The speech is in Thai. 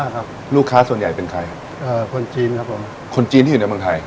ครับลูกค้าส่วนใหญ่เป็นใครเอ่อคนจีนครับผมคนจีนที่อยู่ในเมืองไทย